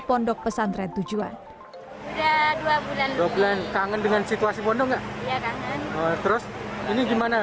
pondok pesantren tujuan dua bulan dua bulan kangen dengan situasi pondok enggak terus ini gimana